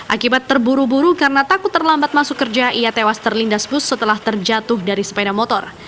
akibat terburu buru karena takut terlambat masuk kerja ia tewas terlindas bus setelah terjatuh dari sepeda motor